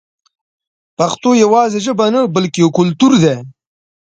پښتو یوازې ژبه نه بلکې یو کلتور دی.